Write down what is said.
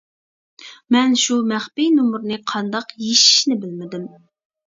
مەن شۇ مەخپىي نومۇرنى قانداق يېشىشنى بىلمىدىم.